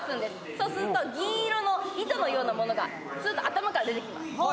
そうすると銀色の糸のようなものが頭から出てきます。